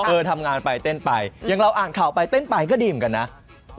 ทำงานไปเต้นไปอย่างเราอ่านข่าวไปเต้นไปก็ดีเหมือนกันนะ